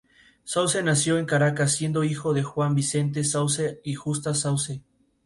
Sauce nació en Caracas, siendo hijo de Juan Vicente Sauce y Justa Sauce.